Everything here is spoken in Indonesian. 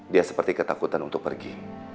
dia seperti ketakutan untuk pergi